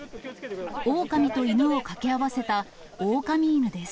オオカミと犬を掛け合わせた、オオカミ犬です。